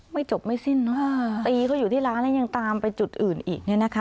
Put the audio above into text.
ไม่จบไม่สิ้นเนอะตีเขาอยู่ที่ร้านแล้วยังตามไปจุดอื่นอีกเนี่ยนะคะ